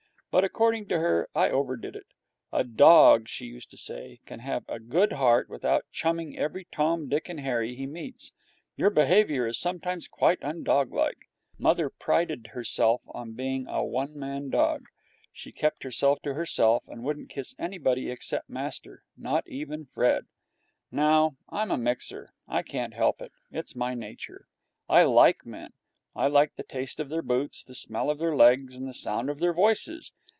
But, according to her, I overdid it. 'A dog,' she used to say, 'can have a good heart, without chumming with every Tom, Dick, and Harry he meets. Your behaviour is sometimes quite un doglike.' Mother prided herself on being a one man dog. She kept herself to herself, and wouldn't kiss anybody except master not even Fred. Now, I'm a mixer. I can't help it. It's my nature. I like men. I like the taste of their boots, the smell of their legs, and the sound of their voices.